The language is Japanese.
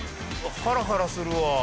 ハラハラするわ。